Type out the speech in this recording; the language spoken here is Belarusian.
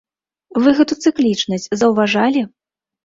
Вы гэту цыклічнасць заўважалі?